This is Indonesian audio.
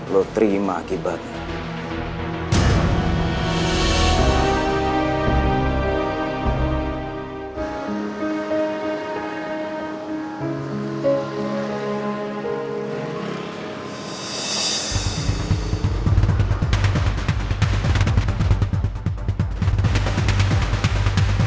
p pinch jangan kacau